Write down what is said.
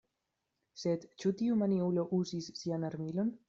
Sed ĉu tiu maniulo uzis sian armilon?